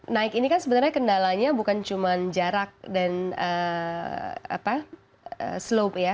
naik ini kan sebenarnya kendalanya bukan cuma jarak dan slop ya